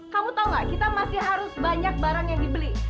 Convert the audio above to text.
kamu tau gak kita masih harus banyak barang yang dibeli